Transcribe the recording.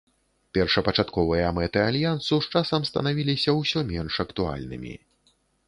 Першапачатковыя мэты альянсу з часам станавіліся ўсё менш актуальнымі.